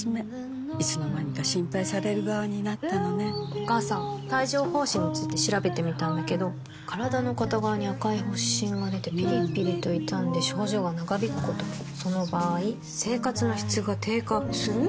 お母さん帯状疱疹について調べてみたんだけど身体の片側に赤い発疹がでてピリピリと痛んで症状が長引くこともその場合生活の質が低下する？